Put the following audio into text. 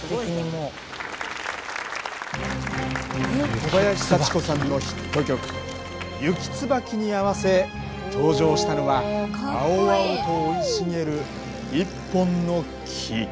小林幸子さんのヒット曲「雪椿」に合わせ登場したのは青々と生い茂る一本の木。